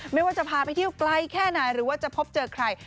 ไม่ว่าจะพาไปเที่ยวไกลแค่ไหนหรือว่าจะพบเจอใคร